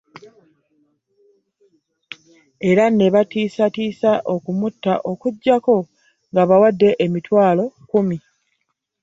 Era ne batiisatiisa okumutta okuggyako ng'abawadde emitwalo kkumi